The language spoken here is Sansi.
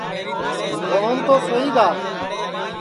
روہن تو سوئی گا